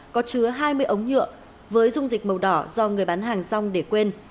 có chứa hai mươi ống nhựa với dung dịch màu đỏ do người bán hàng rong để quên